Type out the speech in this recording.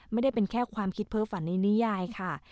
ไม่ได้เป็นแค่ความคิดเพ้อฝันในนิยายค่ะ